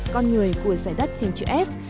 con người của giải đất hình chữ s